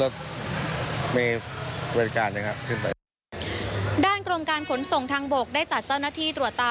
ด้านกรมการขนส่งทางบกได้จัดเจ้าหน้าที่ตรวจตา